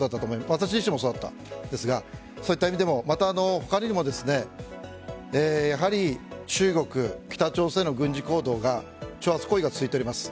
私自身もそうでしたがそういった意味でも他にも中国、北朝鮮の軍事行動挑発行為が続いております。